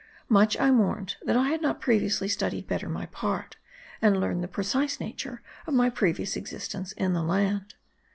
Much I mourned that I had not previously studied better my part, and learned the precise nature of my previous existence in the land.